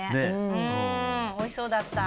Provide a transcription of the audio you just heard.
うんおいしそうだった。